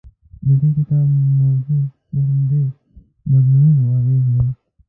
د دې کتاب موضوع د همدې بدلونونو اغېز دی.